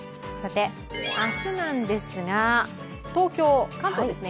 明日なんですが東京、関東ですね